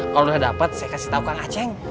kalau udah dapet saya kasih tau kang aceng